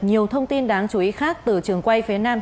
nhiều thông tin đáng chú ý khác từ trường quay phía nam